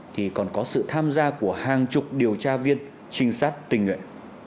thì còn có sự tham gia của hàng chục điều tra viên trinh sát tình nguyện